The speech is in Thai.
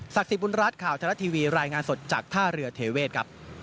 สักษีปรุนรัชย์ข่าวธรัติทวีรายงานสดจากท่าเรือท๋อเวทครับ